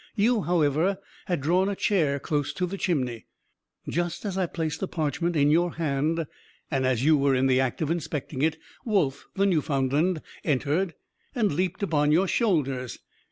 You, however, had drawn a chair close to the chimney. Just as I placed the parchment in your hand, and as you were in the act of inspecting it, Wolf, the Newfoundland, entered, and leaped upon your shoulders.